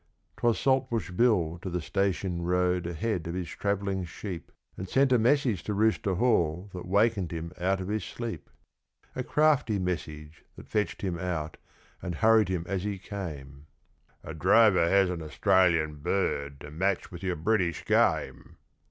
..... 'Twas Saltbush Bill to the station rode ahead of his travelling sheep, And sent a message to Rooster Hall that wakened him out of his sleep A crafty message that fetched him out, and hurried him as he came 'A drover has an Australian Bird to match with your British Game.'